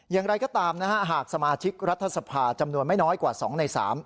อย่างไรก็ตามนะฮะหากสมาชิกรัฐสภาจำนวนไม่น้อยกว่า๒ใน๓